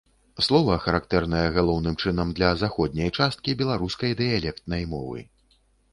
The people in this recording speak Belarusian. Слова характэрнае галоўным чынам для заходняй часткі беларускай дыялектнай мовы.